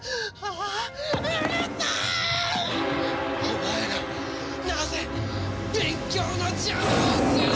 お前らなぜ勉強の邪魔をする！